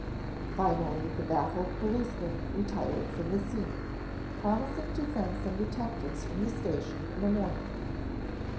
Finally the baffled policeman retired from the scene, promising to send some detectives from the station in the morning.